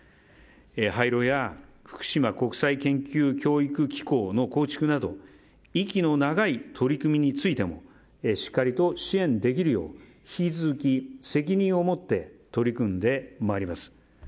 廃炉や福島国際研究教育機構の構築など息の長い取り組みについてもしっかりと支援できるように引き続き、責任を持って取り組んでまいります。